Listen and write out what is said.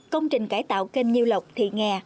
công trình cải tạo kênh nhiêu lộc thị nga